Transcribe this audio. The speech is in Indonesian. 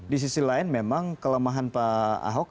di sisi lain memang kelemahan pak ahok